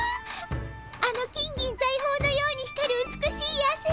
あの金銀ざいほうのように光る美しいあせ。